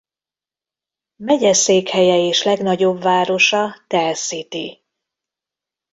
Megyeszékhelye és legnagyobb városa Tell City.